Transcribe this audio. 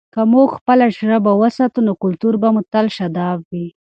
که موږ خپله ژبه وساتو، نو کلتور به تل شاداب وي.